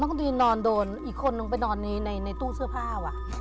น้องคุณตีนนอนโดนอีกคนนึงไปนอนในตู้เสื้อผ้าว่ะ